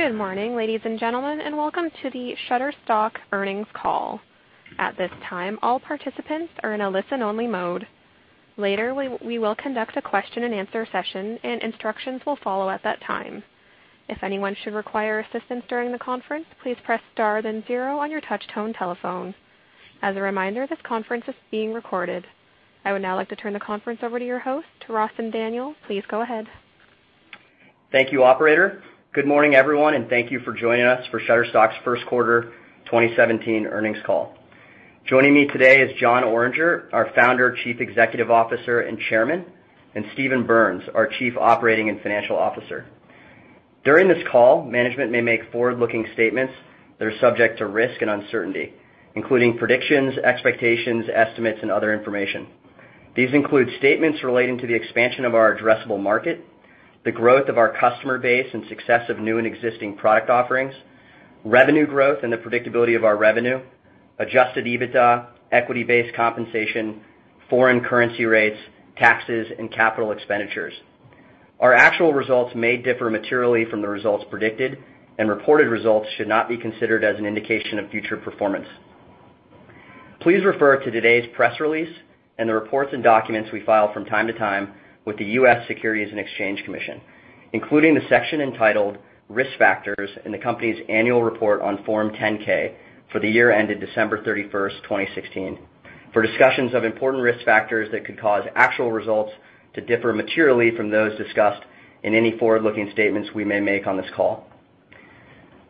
Good morning, ladies and gentlemen, and welcome to the Shutterstock earnings call. At this time, all participants are in a listen-only mode. Later, we will conduct a question and answer session, and instructions will follow at that time. If anyone should require assistance during the conference, please press star then zero on your touch-tone telephone. As a reminder, this conference is being recorded. I would now like to turn the conference over to your host, Rossen Daniel. Please go ahead. Thank you, operator. Good morning, everyone, thank you for joining us for Shutterstock's first quarter 2017 earnings call. Joining me today is Jon Oringer, our founder, Chief Executive Officer, and Chairman, Steven Berns, our Chief Operating and Financial Officer. During this call, management may make forward-looking statements that are subject to risk and uncertainty, including predictions, expectations, estimates, and other information. These include statements relating to the expansion of our addressable market, the growth of our customer base, and success of new and existing product offerings, revenue growth and the predictability of our revenue, adjusted EBITDA, equity-based compensation, foreign currency rates, taxes, and capital expenditures. Our actual results may differ materially from the results predicted. Reported results should not be considered as an indication of future performance. Please refer to today's press release and the reports and documents we file from time to time with the U.S. Securities and Exchange Commission, including the section entitled Risk Factors in the company's annual report on Form 10-K for the year ended December 31st, 2016, for discussions of important risk factors that could cause actual results to differ materially from those discussed in any forward-looking statements we may make on this call.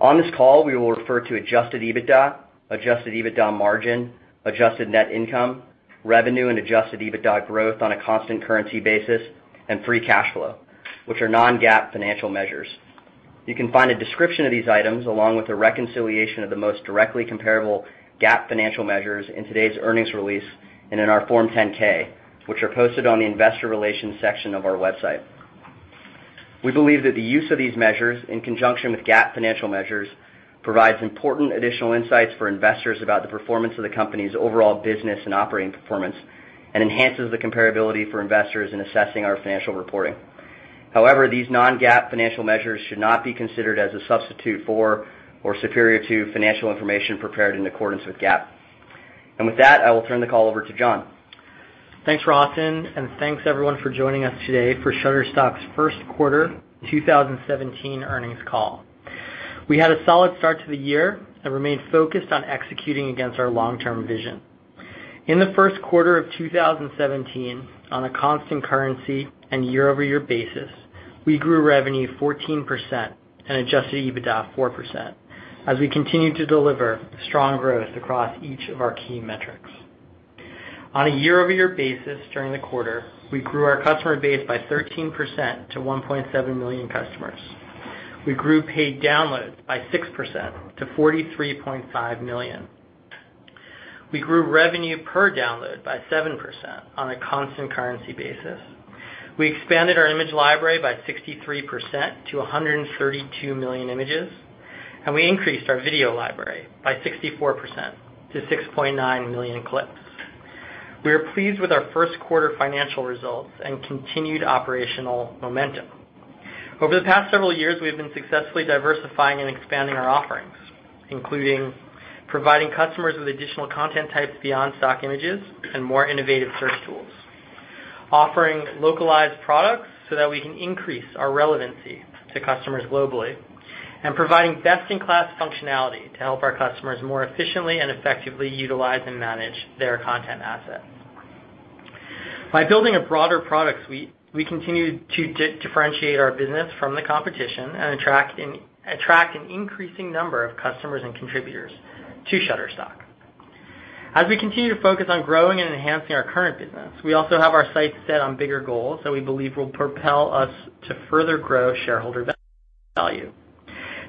On this call, we will refer to adjusted EBITDA, adjusted EBITDA margin, adjusted net income, revenue and adjusted EBITDA growth on a constant currency basis, free cash flow, which are non-GAAP financial measures. You can find a description of these items along with a reconciliation of the most directly comparable GAAP financial measures in today's earnings release and in our Form 10-K, which are posted on the investor relations section of our website. We believe that the use of these measures in conjunction with GAAP financial measures provides important additional insights for investors about the performance of the company's overall business and operating performance and enhances the comparability for investors in assessing our financial reporting. However, these non-GAAP financial measures should not be considered as a substitute for or superior to financial information prepared in accordance with GAAP. With that, I will turn the call over to Jon. Thanks, Rossen, and thanks everyone for joining us today for Shutterstock's first quarter 2017 earnings call. We had a solid start to the year and remain focused on executing against our long-term vision. In the first quarter of 2017, on a constant currency and year-over-year basis, we grew revenue 14% and adjusted EBITDA 4% as we continued to deliver strong growth across each of our key metrics. On a year-over-year basis during the quarter, we grew our customer base by 13% to 1.7 million customers. We grew paid downloads by 6% to 43.5 million. We grew revenue per download by 7% on a constant currency basis. We expanded our image library by 63% to 132 million images, and we increased our video library by 64% to 6.9 million clips. We are pleased with our first quarter financial results and continued operational momentum. Over the past several years, we've been successfully diversifying and expanding our offerings, including providing customers with additional content types beyond stock images and more innovative search tools, offering localized products so that we can increase our relevancy to customers globally, and providing best-in-class functionality to help our customers more efficiently and effectively utilize and manage their content assets. By building a broader product suite, we continue to differentiate our business from the competition and attract an increasing number of customers and contributors to Shutterstock. As we continue to focus on growing and enhancing our current business, we also have our sights set on bigger goals that we believe will propel us to further grow shareholder value.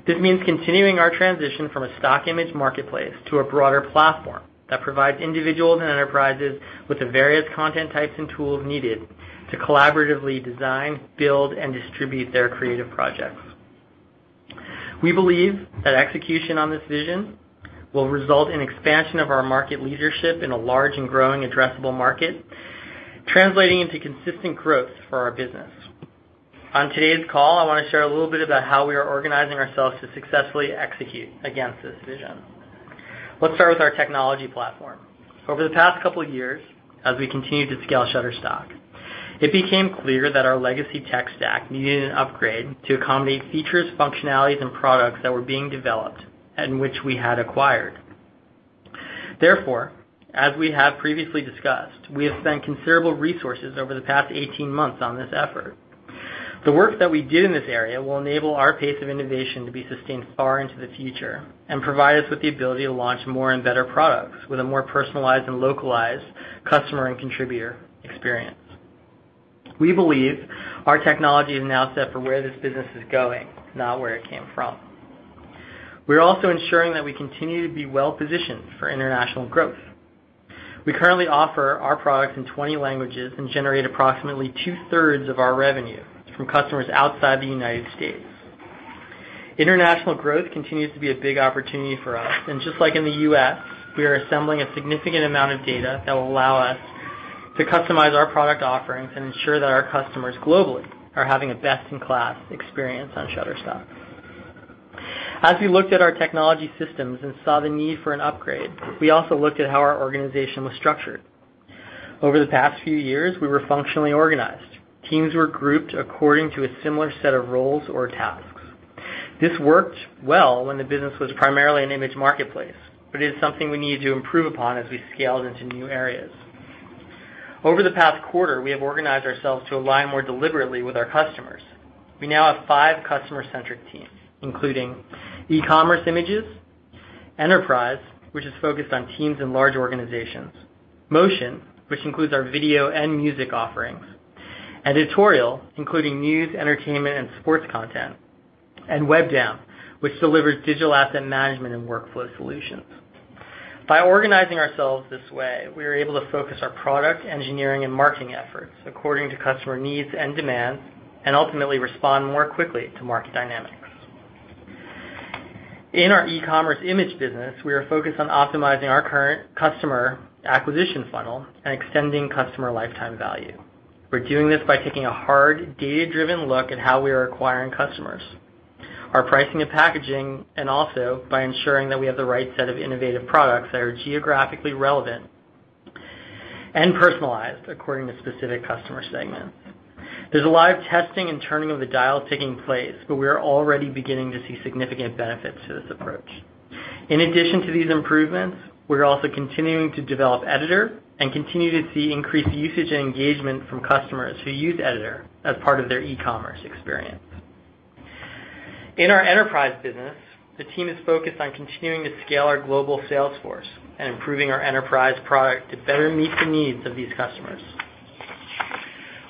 This means continuing our transition from a stock image marketplace to a broader platform that provides individuals and enterprises with the various content types and tools needed to collaboratively design, build, and distribute their creative projects. We believe that execution on this vision will result in expansion of our market leadership in a large and growing addressable market, translating into consistent growth for our business. On today's call, I want to share a little bit about how we are organizing ourselves to successfully execute against this vision. Let's start with our technology platform. Over the past couple of years, as we continued to scale Shutterstock, it became clear that our legacy tech stack needed an upgrade to accommodate features, functionalities, and products that were being developed and which we had acquired. Therefore, as we have previously discussed, we have spent considerable resources over the past 18 months on this effort. The work that we did in this area will enable our pace of innovation to be sustained far into the future and provide us with the ability to launch more and better products with a more personalized and localized customer and contributor experience. We believe our technology is now set for where this business is going, not where it came from. We're also ensuring that we continue to be well-positioned for international growth. We currently offer our products in 20 languages and generate approximately two-thirds of our revenue from customers outside the U.S. International growth continues to be a big opportunity for us, and just like in the U.S., we are assembling a significant amount of data that will allow us to customize our product offerings and ensure that our customers globally are having a best-in-class experience on Shutterstock. As we looked at our technology systems and saw the need for an upgrade, we also looked at how our organization was structured. Over the past few years, we were functionally organized. Teams were grouped according to a similar set of roles or tasks. This worked well when the business was primarily an image marketplace, but it is something we needed to improve upon as we scaled into new areas. Over the past quarter, we have organized ourselves to align more deliberately with our customers. We now have 5 customer-centric teams, including e-commerce images, enterprise, which is focused on teams and large organizations, motion, which includes our video and music offerings, editorial, including news, entertainment, and sports content, and Webdam, which delivers digital asset management and workflow solutions. By organizing ourselves this way, we are able to focus our product, engineering, and marketing efforts according to customer needs and demands, and ultimately respond more quickly to market dynamics. In our e-commerce image business, we are focused on optimizing our current customer acquisition funnel and extending customer lifetime value. We're doing this by taking a hard, data-driven look at how we are acquiring customers. Our pricing and packaging, and also by ensuring that we have the right set of innovative products that are geographically relevant and personalized according to specific customer segments. There's a lot of testing and turning of the dial taking place, but we are already beginning to see significant benefits to this approach. In addition to these improvements, we're also continuing to develop Editor and continue to see increased usage and engagement from customers who use Editor as part of their e-commerce experience. In our enterprise business, the team is focused on continuing to scale our global sales force and improving our enterprise product to better meet the needs of these customers.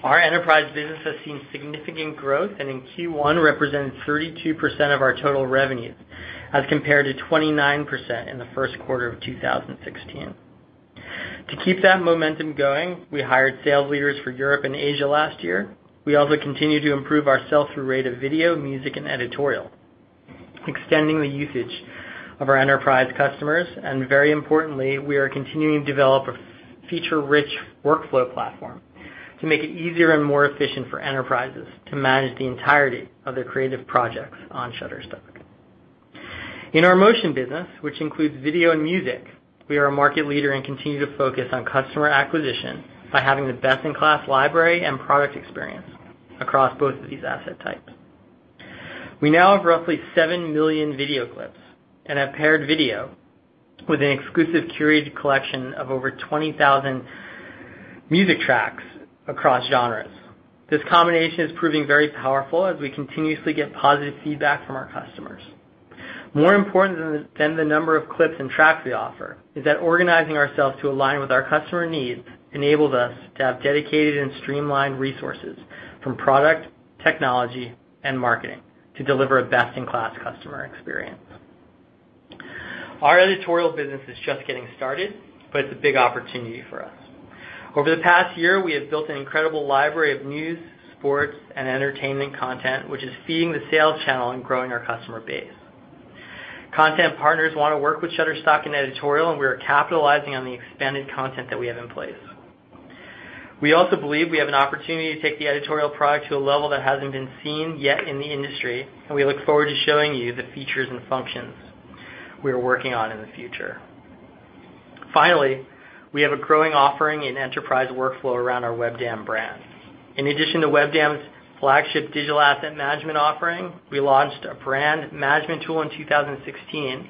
Our enterprise business has seen significant growth, and in Q1 represented 32% of our total revenue as compared to 29% in the first quarter of 2016. To keep that momentum going, we hired sales leaders for Europe and Asia last year. We also continue to improve our sell-through rate of video, music, and editorial, extending the usage of our enterprise customers, and very importantly, we are continuing to develop a feature-rich workflow platform to make it easier and more efficient for enterprises to manage the entirety of their creative projects on Shutterstock. In our motion business, which includes video and music, we are a market leader and continue to focus on customer acquisition by having the best-in-class library and product experience across both of these asset types. We now have roughly 7 million video clips and have paired video with an exclusive curated collection of over 20,000 music tracks across genres. This combination is proving very powerful as we continuously get positive feedback from our customers. More important than the number of clips and tracks we offer, is that organizing ourselves to align with our customer needs enables us to have dedicated and streamlined resources from product, technology, and marketing to deliver a best-in-class customer experience. Our editorial business is just getting started, but it's a big opportunity for us. Over the past year, we have built an incredible library of news, sports, and entertainment content, which is feeding the sales channel and growing our customer base. Content partners want to work with Shutterstock and editorial, and we are capitalizing on the expanded content that we have in place. We also believe we have an opportunity to take the editorial product to a level that hasn't been seen yet in the industry, and we look forward to showing you the features and functions we are working on in the future. Finally, we have a growing offering in enterprise workflow around our Webdam brand. In addition to Webdam's flagship digital asset management offering, we launched a brand management tool in 2016,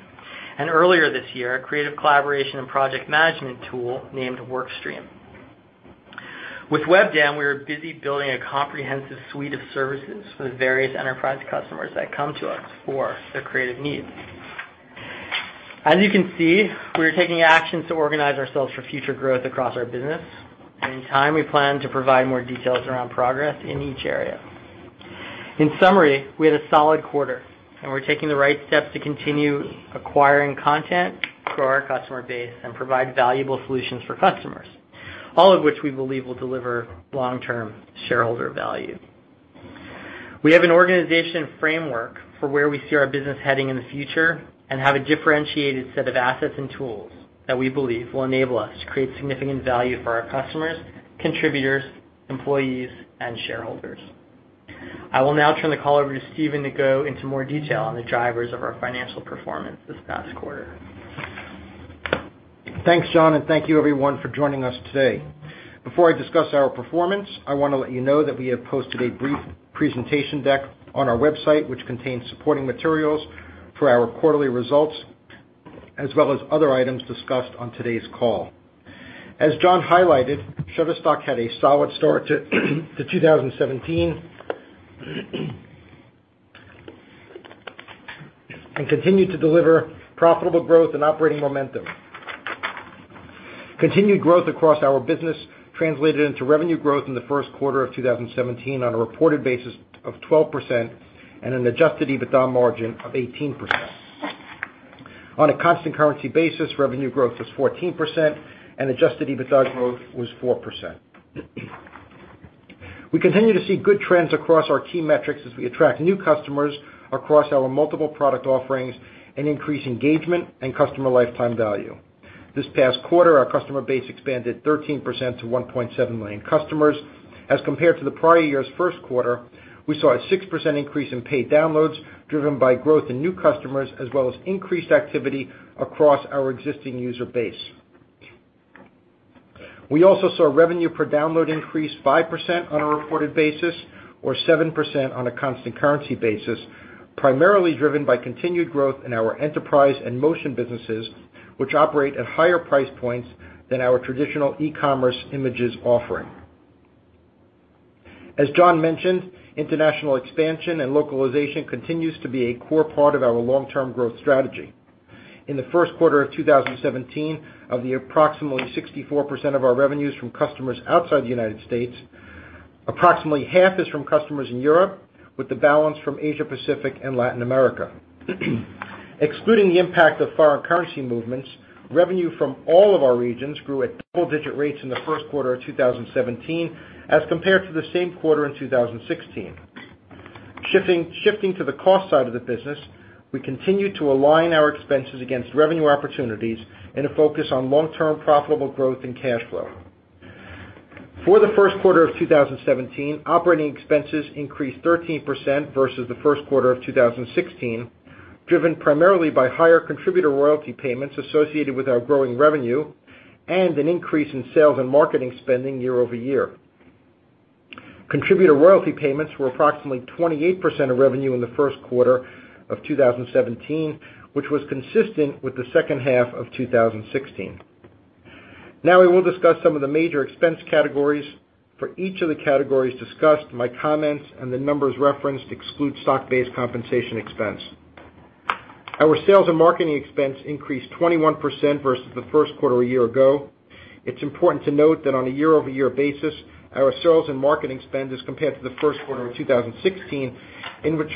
and earlier this year, a creative collaboration and project management tool named Workstream. With Webdam, we are busy building a comprehensive suite of services for the various enterprise customers that come to us for their creative needs. As you can see, we are taking actions to organize ourselves for future growth across our business. In time, we plan to provide more details around progress in each area. In summary, we had a solid quarter, and we're taking the right steps to continue acquiring content, grow our customer base, and provide valuable solutions for customers. All of which we believe will deliver long-term shareholder value. We have an organization framework for where we see our business heading in the future and have a differentiated set of assets and tools that we believe will enable us to create significant value for our customers, contributors, employees, and shareholders. I will now turn the call over to Steven to go into more detail on the drivers of our financial performance this past quarter. Thanks, John, and thank you everyone for joining us today. Before I discuss our performance, I want to let you know that we have posted a brief presentation deck on our website, which contains supporting materials for our quarterly results, as well as other items discussed on today's call. As John highlighted, Shutterstock had a solid start to 2017, and continued to deliver profitable growth and operating momentum. Continued growth across our business translated into revenue growth in the first quarter of 2017 on a reported basis of 12% and an adjusted EBITDA margin of 18%. On a constant currency basis, revenue growth was 14% and adjusted EBITDA growth was 4%. We continue to see good trends across our key metrics as we attract new customers across our multiple product offerings and increase engagement and customer lifetime value. This past quarter, our customer base expanded 13% to 1.7 million customers. As compared to the prior year's first quarter, we saw a 6% increase in paid downloads, driven by growth in new customers as well as increased activity across our existing user base. We also saw revenue per download increase 5% on a reported basis or 7% on a constant currency basis, primarily driven by continued growth in our enterprise and motion businesses, which operate at higher price points than our traditional e-commerce images offering. As John mentioned, international expansion and localization continues to be a core part of our long-term growth strategy. In the first quarter of 2017, of the approximately 64% of our revenues from customers outside the United States, approximately half is from customers in Europe, with the balance from Asia-Pacific and Latin America. Excluding the impact of foreign currency movements, revenue from all of our regions grew at double-digit rates in the first quarter of 2017 as compared to the same quarter in 2016. Shifting to the cost side of the business, we continue to align our expenses against revenue opportunities in a focus on long-term profitable growth and cash flow. For the first quarter of 2017, operating expenses increased 13% versus the first quarter of 2016, driven primarily by higher contributor royalty payments associated with our growing revenue and an increase in sales and marketing spending year-over-year. Contributor royalty payments were approximately 28% of revenue in the first quarter of 2017, which was consistent with the second half of 2016. I will discuss some of the major expense categories. For each of the categories discussed, my comments and the numbers referenced exclude stock-based compensation expense. Our sales and marketing expense increased 21% versus the first quarter a year ago. It's important to note that on a year-over-year basis, our sales and marketing spend as compared to the first quarter of 2016, in which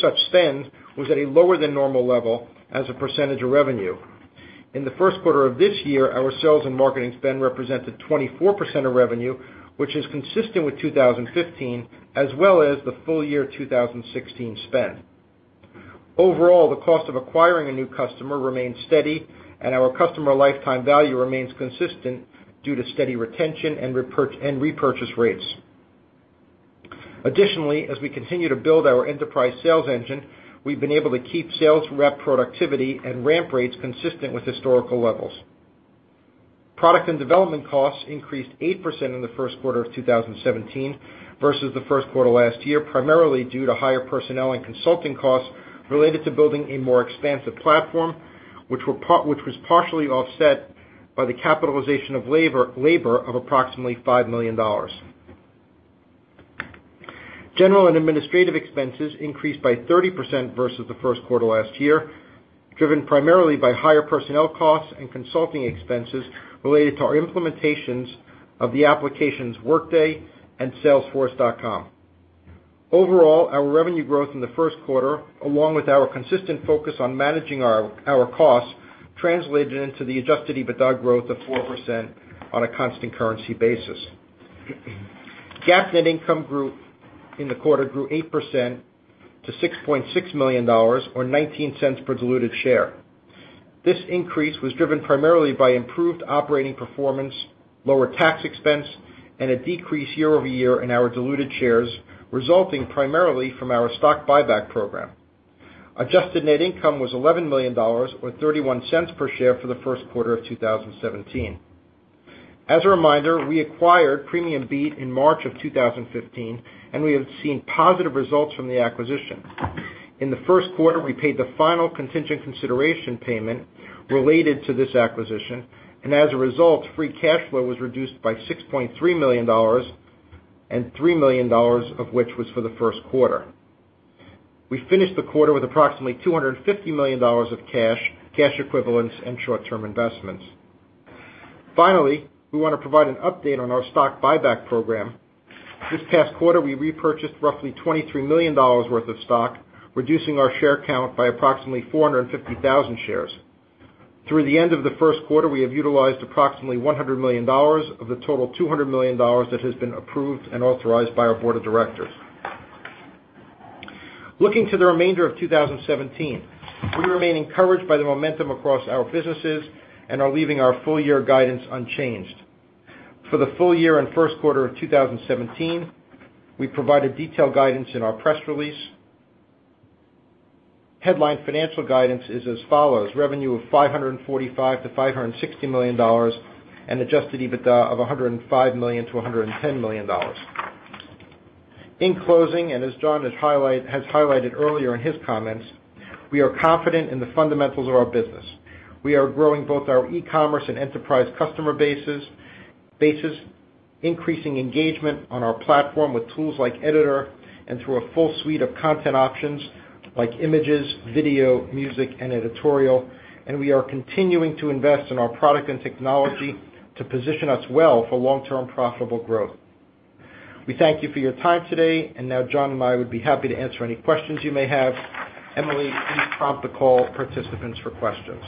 such spend was at a lower than normal level as a percentage of revenue. In the first quarter of this year, our sales and marketing spend represented 24% of revenue, which is consistent with 2015 as well as the full year 2016 spend. The cost of acquiring a new customer remains steady, and our customer lifetime value remains consistent due to steady retention and repurchase rates. As we continue to build our enterprise sales engine, we've been able to keep sales rep productivity and ramp rates consistent with historical levels. Product and development costs increased 8% in the first quarter of 2017 versus the first quarter last year, primarily due to higher personnel and consulting costs related to building a more expansive platform, which was partially offset by the capitalization of labor of approximately $5 million. General and administrative expenses increased by 30% versus the first quarter last year, driven primarily by higher personnel costs and consulting expenses related to our implementations of the applications Workday and Salesforce.com. Our revenue growth in the first quarter, along with our consistent focus on managing our costs, translated into the adjusted EBITDA growth of 4% on a constant currency basis. GAAP net income in the quarter grew 8% to $6.6 million, or $0.19 per diluted share. This increase was driven primarily by improved operating performance, lower tax expense, and a decrease year-over-year in our diluted shares, resulting primarily from our stock buyback program. Adjusted net income was $11 million, or $0.31 per share for the first quarter of 2017. As a reminder, we acquired PremiumBeat in March of 2015, and we have seen positive results from the acquisition. In the first quarter, we paid the final contingent consideration payment related to this acquisition, and as a result, free cash flow was reduced by $6.3 million, and $3 million of which was for the first quarter. We finished the quarter with approximately $250 million of cash equivalents, and short-term investments. Finally, we want to provide an update on our stock buyback program. This past quarter, we repurchased roughly $23 million worth of stock, reducing our share count by approximately 450,000 shares. Through the end of the first quarter, we have utilized approximately $100 million of the total $200 million that has been approved and authorized by our board of directors. Looking to the remainder of 2017, we remain encouraged by the momentum across our businesses and are leaving our full year guidance unchanged. For the full year and first quarter of 2017, we provided detailed guidance in our press release. Headline financial guidance is as follows: revenue of $545 million-$560 million and adjusted EBITDA of $105 million-$110 million. In closing, as John has highlighted earlier in his comments, we are confident in the fundamentals of our business. We are growing both our e-commerce and enterprise customer bases, increasing engagement on our platform with tools like Editor and through a full suite of content options like images, video, music, and editorial. We are continuing to invest in our product and technology to position us well for long-term profitable growth. We thank you for your time today, and now John and I would be happy to answer any questions you may have. Emily, please prompt the call participants for questions.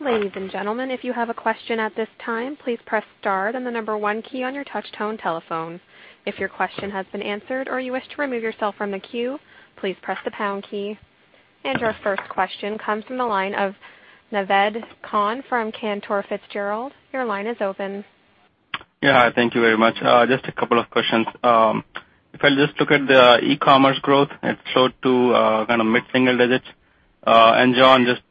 Ladies and gentlemen, if you have a question at this time, please press star then the number one key on your touch tone telephone. If your question has been answered or you wish to remove yourself from the queue, please press the pound key. Our first question comes from the line of Naved Khan from Cantor Fitzgerald. Your line is open. Yeah, thank you very much. Just a couple of questions. If I just look at the e-commerce growth, it slowed to kind of mid-single digits. John, just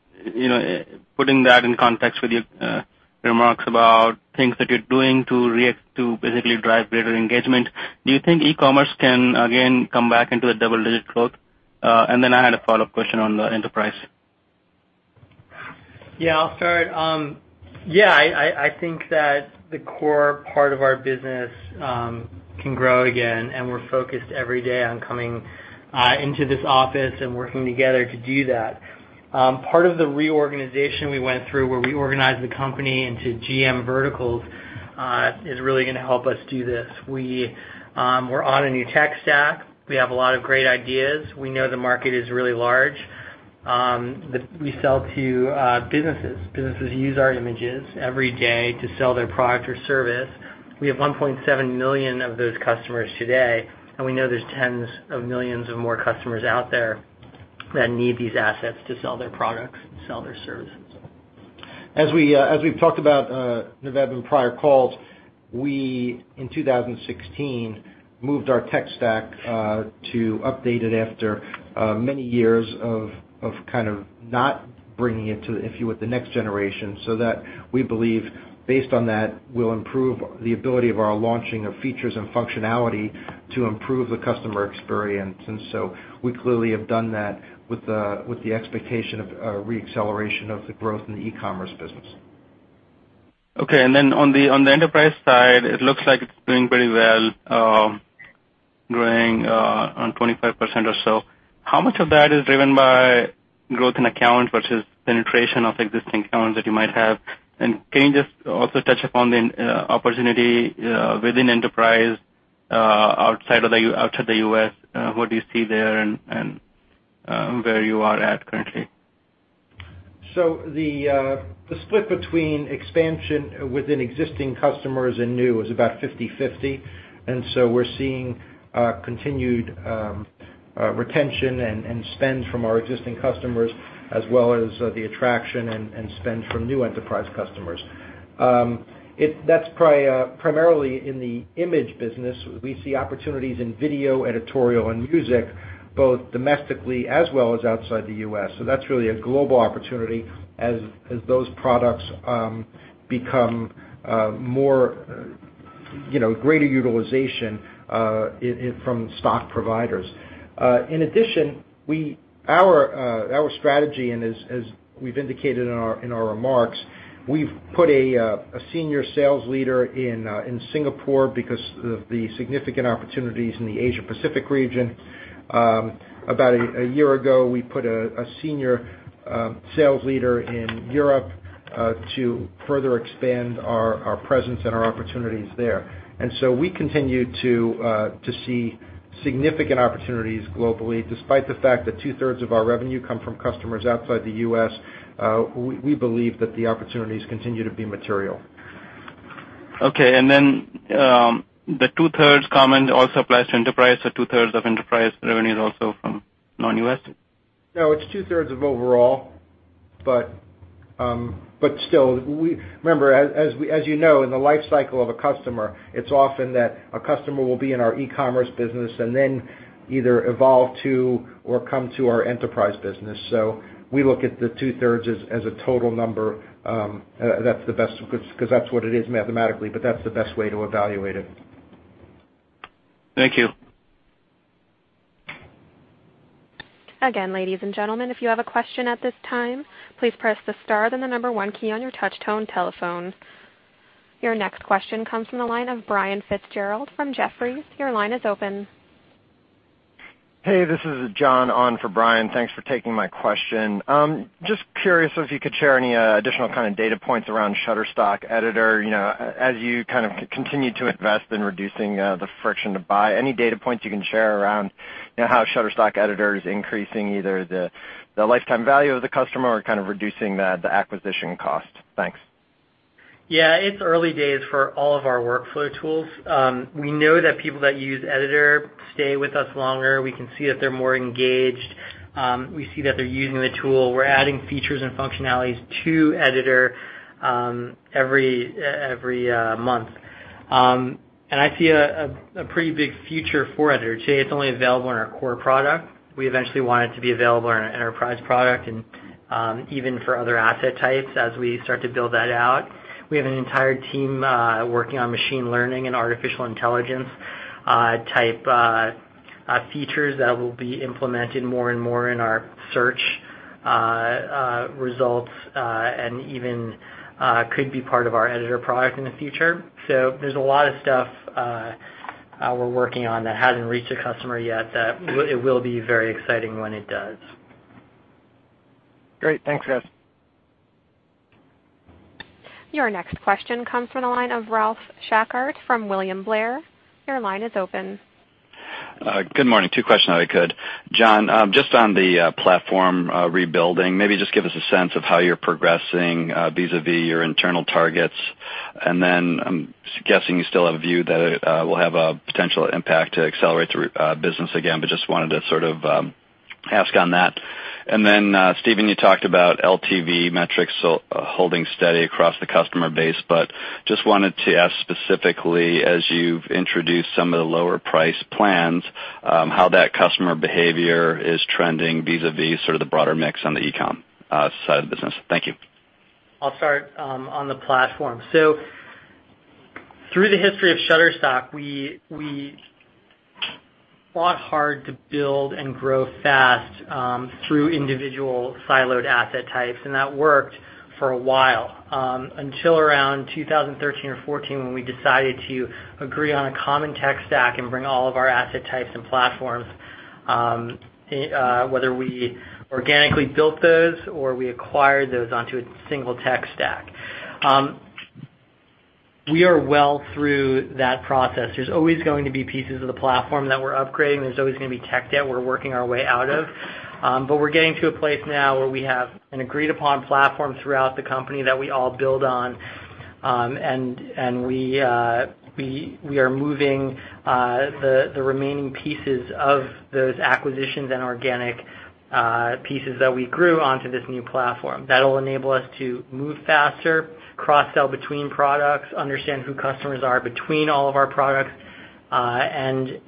putting that in context with your remarks about things that you're doing to basically drive greater engagement, do you think e-commerce can again come back into a double-digit growth? I had a follow-up question on the enterprise. Yeah, I'll start. Yeah, I think that the core part of our business can grow again, and we're focused every day on coming into this office and working together to do that. Part of the reorganization we went through, where we organized the company into GM verticals, is really going to help us do this. We're on a new tech stack. We have a lot of great ideas. We know the market is really large. We sell to businesses. Businesses use our images every day to sell their product or service. We have 1.7 million of those customers today, and we know there's tens of millions of more customers out there that need these assets to sell their products and sell their services. As we've talked about, Naved, in prior calls, we, in 2016, moved our tech stack to update it after many years of kind of not bringing it to, if you would, the next generation, so that we believe based on that will improve the ability of our launching of features and functionality to improve the customer experience. We clearly have done that with the expectation of re-acceleration of the growth in the e-commerce business. Okay. On the enterprise side, it looks like it's doing pretty well, growing on 25% or so. How much of that is driven by growth in accounts versus penetration of existing accounts that you might have? Can you just also touch upon the opportunity within enterprise, outside of the U.S., what do you see there and where you are at currently? The split between expansion within existing customers and new is about 50/50. We're seeing continued retention and spend from our existing customers as well as the attraction and spend from new enterprise customers. That's primarily in the image business. We see opportunities in video, editorial, and music, both domestically as well as outside the U.S. That's really a global opportunity as those products become greater utilization from stock providers. In addition, our strategy, as we've indicated in our remarks, we've put a senior sales leader in Singapore because of the significant opportunities in the Asia Pacific region. About a year ago, we put a senior sales leader in Europe to further expand our presence and our opportunities there. We continue to see significant opportunities globally. Despite the fact that two-thirds of our revenue come from customers outside the U.S., we believe that the opportunities continue to be material. The two-thirds comment also applies to enterprise, two-thirds of enterprise revenue is also from non-U.S.? It's two-thirds of overall. Remember, as you know, in the life cycle of a customer, it's often that a customer will be in our e-commerce business and then either evolve to or come to our enterprise business. We look at the two-thirds as a total number, because that's what it is mathematically, but that's the best way to evaluate it. Thank you. Again, ladies and gentlemen, if you have a question at this time, please press the star then the number one key on your touch tone telephone. Your next question comes from the line of Brian Fitzgerald from Jefferies. Your line is open. Hey, this is John on for Brian. Thanks for taking my question. Just curious if you could share any additional kind of data points around Shutterstock Editor, as you kind of continue to invest in reducing the friction to buy. Any data points you can share around how Shutterstock Editor is increasing either the lifetime value of the customer or kind of reducing the acquisition cost? Thanks. Yeah. It's early days for all of our workflow tools. We know that people that use Editor stay with us longer. We can see that they're more engaged. We see that they're using the tool. We're adding features and functionalities to Editor every month. I see a pretty big future for Editor. Today it's only available on our core product. We eventually want it to be available on our enterprise product and even for other asset types as we start to build that out. We have an entire team working on machine learning and artificial intelligence type features that will be implemented more and more in our search results, and even could be part of our Editor product in the future. There's a lot of stuff we're working on that hasn't reached a customer yet, that it will be very exciting when it does. Great. Thanks, guys. Your next question comes from the line of Ralph Schackart from William Blair. Your line is open. Good morning. Two questions if I could. John, just on the platform rebuilding, maybe just give us a sense of how you're progressing vis-a-vis your internal targets. I'm guessing you still have a view that it will have a potential impact to accelerate the business again, but just wanted to sort of ask on that. Steven, you talked about LTV metrics holding steady across the customer base, but just wanted to ask specifically, as you've introduced some of the lower priced plans, how that customer behavior is trending vis-a-vis sort of the broader mix on the e-com side of the business. Thank you. I'll start on the platform. Through the history of Shutterstock, we fought hard to build and grow fast through individual siloed asset types, and that worked for a while, until around 2013 or 2014, when we decided to agree on a common tech stack and bring all of our asset types and platforms, whether we organically built those or we acquired those, onto a single tech stack. We are well through that process. There's always going to be pieces of the platform that we're upgrading. There's always going to be tech debt we're working our way out of. But we're getting to a place now where we have an agreed-upon platform throughout the company that we all build on. We are moving the remaining pieces of those acquisitions and organic pieces that we grew onto this new platform. That'll enable us to move faster, cross-sell between products, understand who customers are between all of our products, and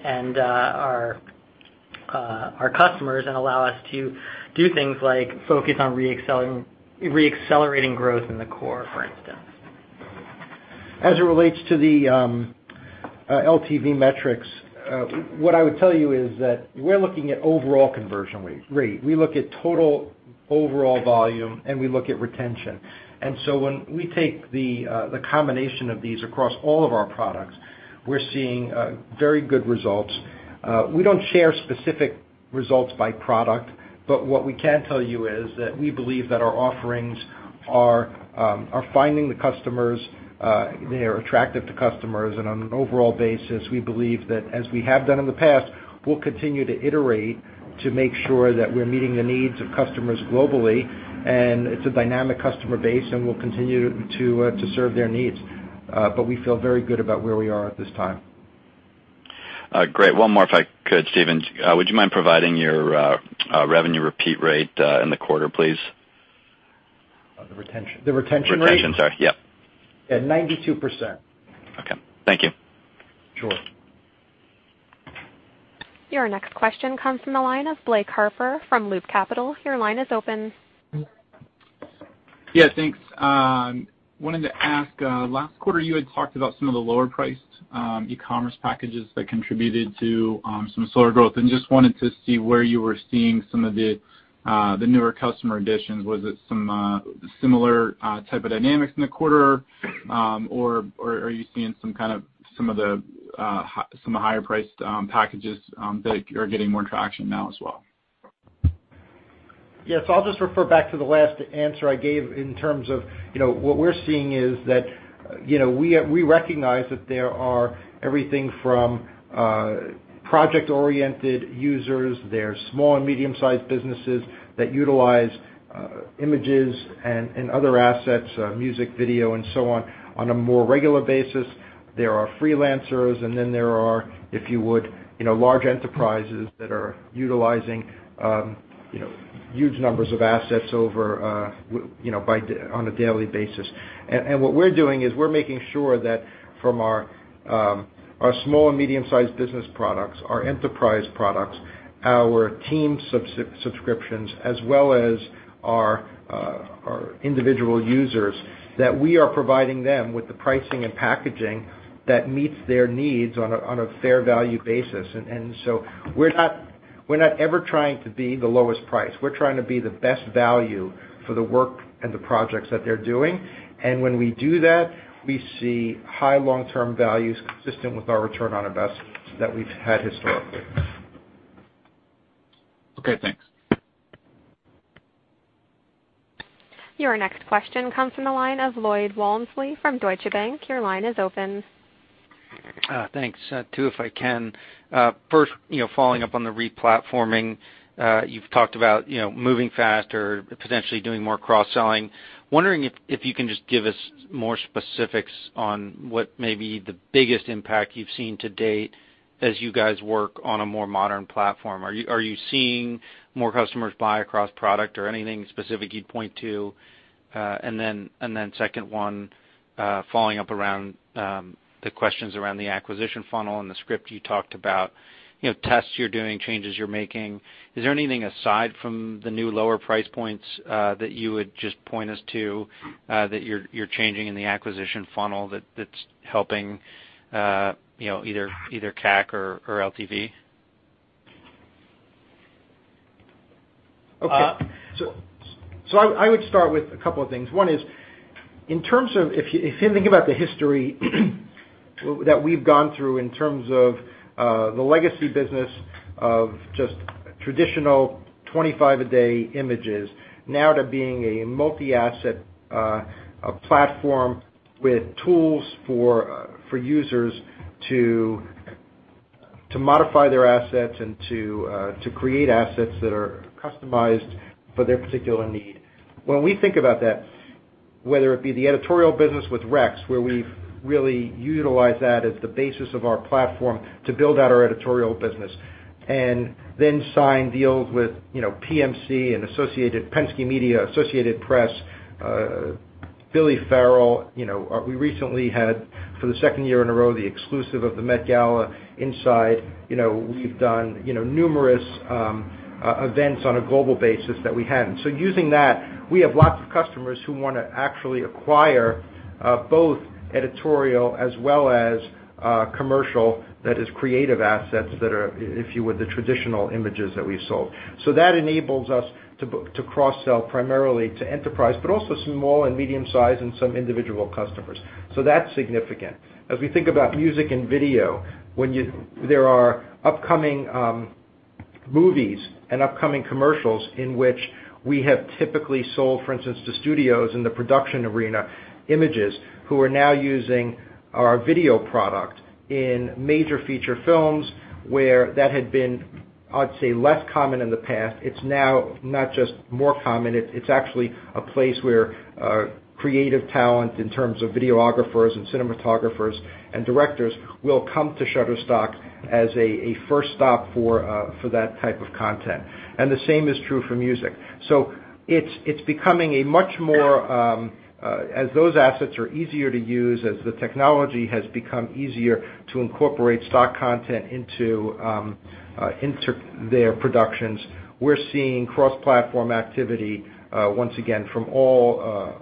our customers, and allow us to do things like focus on re-accelerating growth in the core, for instance. As it relates to the LTV metrics, what I would tell you is that we're looking at overall conversion rate. We look at total overall volume, and we look at retention. So when we take the combination of these across all of our products, we're seeing very good results. We don't share specific results by product, but what we can tell you is that we believe that our offerings are finding the customers, they are attractive to customers, and on an overall basis, we believe that, as we have done in the past, we'll continue to iterate to make sure that we're meeting the needs of customers globally. It's a dynamic customer base, and we'll continue to serve their needs. We feel very good about where we are at this time. Great. One more if I could, Steven. Would you mind providing your revenue repeat rate in the quarter, please? The retention rate? The retention. Sorry. Yep. At 92%. Okay. Thank you. Sure. Your next question comes from the line of Blake Harper from Loop Capital. Your line is open. Thanks. Wanted to ask, last quarter you had talked about some of the lower priced e-commerce packages that contributed to some slower growth, and just wanted to see where you were seeing some of the newer customer additions. Was it some similar type of dynamics in the quarter? Or are you seeing some of the higher priced packages that are getting more traction now as well? Yes. I'll just refer back to the last answer I gave in terms of what we're seeing is that we recognize that there are everything from project-oriented users, there are small and medium sized businesses that utilize images and other assets, music, video and so on a more regular basis. There are freelancers, then there are, if you would, large enterprises that are utilizing huge numbers of assets on a daily basis. What we're doing is we're making sure that from our small and medium sized business products, our enterprise products, our team subscriptions, as well as our individual users, that we are providing them with the pricing and packaging that meets their needs on a fair value basis. So we're not ever trying to be the lowest price. We're trying to be the best value for the work and the projects that they're doing. When we do that, we see high long-term values consistent with our return on investments that we've had historically. Okay, thanks. Your next question comes from the line of Lloyd Walmsley from Deutsche Bank. Your line is open. Thanks. Two, if I can. First, following up on the re-platforming. You've talked about moving faster, potentially doing more cross-selling. Wondering if you can just give us more specifics on what may be the biggest impact you've seen to date as you guys work on a more modern platform. Are you seeing more customers buy across product or anything specific you'd point to? Second one, following up around the questions around the acquisition funnel. In the script you talked about tests you're doing, changes you're making. Is there anything aside from the new lower price points that you would just point us to that you're changing in the acquisition funnel that's helping either CAC or LTV? Okay. I would start with a couple of things. One is, if you think about the history that we've gone through in terms of the legacy business of just traditional 25-a-day images, now to being a multi-asset platform with tools for users to modify their assets and to create assets that are customized for their particular need. When we think about that, whether it be the editorial business with Rex, where we've really utilized that as the basis of our platform to build out our editorial business, then sign deals with PMC and Penske Media, The Associated Press, Billy Farrell. We recently had, for the second year in a row, the exclusive of the Met Gala inside. We've done numerous events on a global basis that we hadn't. Using that, we have lots of customers who want to actually acquire both editorial as well as commercial, that is creative assets that are, if you would, the traditional images that we've sold. That enables us to cross-sell primarily to enterprise, but also small and medium-size and some individual customers. That's significant. As we think about music and video, when there are upcoming movies and upcoming commercials in which we have typically sold, for instance, to studios in the production arena, images, who are now using our video product in major feature films, where that had been, I'd say, less common in the past. It's now not just more common, it's actually a place where creative talent, in terms of videographers and cinematographers and directors, will come to Shutterstock as a first stop for that type of content. The same is true for music. As those assets are easier to use, as the technology has become easier to incorporate stock content into their productions, we're seeing cross-platform activity once again from all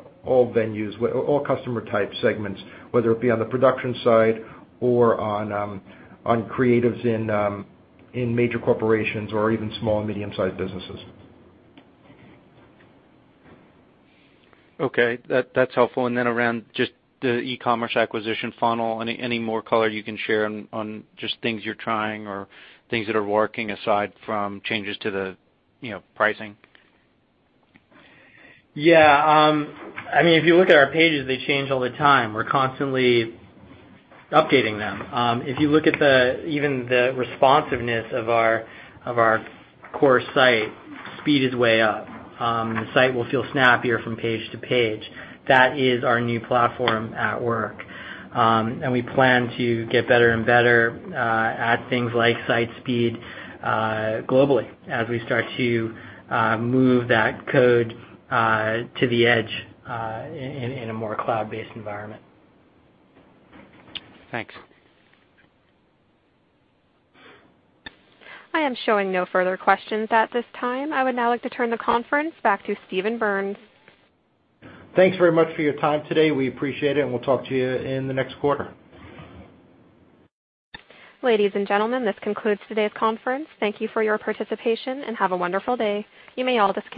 venues, all customer type segments, whether it be on the production side or on creatives in major corporations or even small and medium-sized businesses. Okay. That's helpful. Around just the e-commerce acquisition funnel, any more color you can share on just things you're trying or things that are working aside from changes to the pricing? Yeah. If you look at our pages, they change all the time. We're constantly updating them. If you look at even the responsiveness of our core site, speed is way up. The site will feel snappier from page to page. That is our new platform at work. We plan to get better and better at things like site speed globally, as we start to move that code to the edge in a more cloud-based environment. Thanks. I am showing no further questions at this time. I would now like to turn the conference back to Steven Berns. Thanks very much for your time today. We appreciate it, and we'll talk to you in the next quarter. Ladies and gentlemen, this concludes today's conference. Thank you for your participation, and have a wonderful day. You may all disconnect.